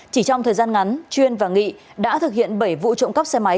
chỉ trong thời gian ngắn chuyên và nghị đã thực hiện bảy vụ trộm cắp xe máy